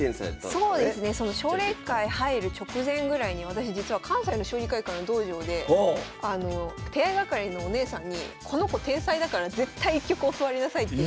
そうですねその奨励会入る直前ぐらいに私実は関西の将棋会館の道場で手合い係のお姉さんに「この子天才だから絶対１局教わりなさい」って。